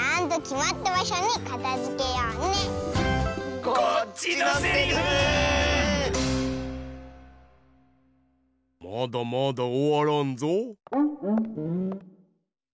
まだまだおわらんぞ。